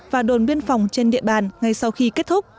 và đồn biên phòng trên địa bàn ngay sau khi kết thúc